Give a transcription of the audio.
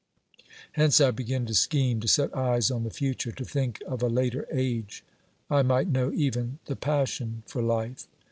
Hence I begin to scheme, to set eyes on the future, to think of a later age : I might know even the passion'for life